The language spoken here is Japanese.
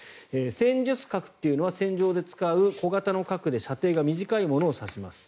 戦術核というのは戦場で使う小型の核で射程が短いものを指します。